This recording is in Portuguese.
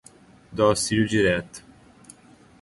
Do Auxílio Direto